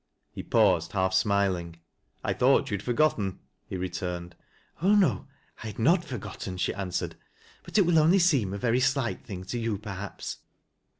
He paused, half smiling. " I thought you had forgotten," he returned. " Oh ! no, I had not forgotten," she answered. " Bui it will only seem a very slight thing to you perhaps."